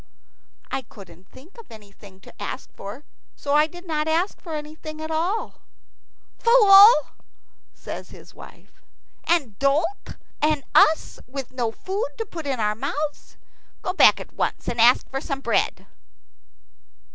"I couldn't think of anything to ask for; so I did not ask for anything at all." "Fool," says his wife, "and dolt, and us with no food to put in our mouths. Go back at once, and ask for some bread."